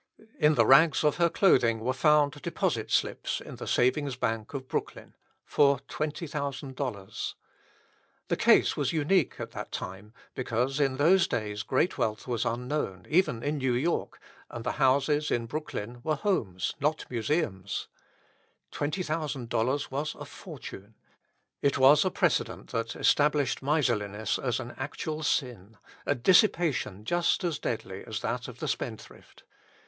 In the rags of her clothing were found deposit slips in the savings banks of Brooklyn for $20,000. The case was unique at that time, because in those days great wealth was unknown, even in New York, and the houses in Brooklyn were homes not museums. Twenty thousand dollars was a fortune. It was a precedent that established miserliness as an actual sin, a dissipation just as deadly as that of the spendthrift.